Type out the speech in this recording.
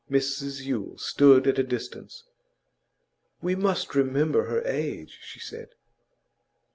Mrs Yule stood at a distance. 'We must remember her age,' she said.